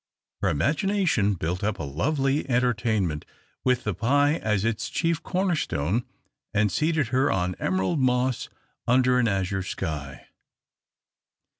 Her imagination built up a lovely entertain ment, with the pie as its chief corner stone, and seated her on emerald moss under an azure sky.